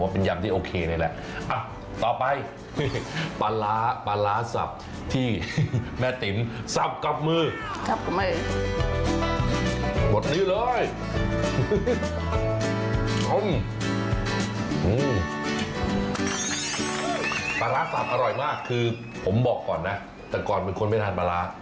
ปลาร้าสับอร่อยมากคือผมบอกก่อนนะแต่ก่อนเป็นคนไม่ทานปลาร้า